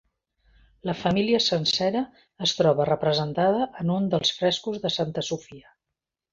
La família sencera es troba representada en un dels frescos de Santa Sofia.